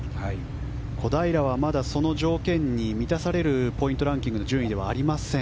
小平はその条件に満たされるポイントランクの順位ではありません。